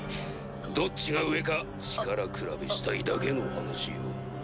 どっちが上か力比べしたいだけの話よ。